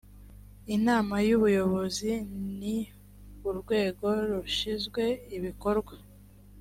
inama y’ubuyobozi ni urwego rushinzwe ibikorwa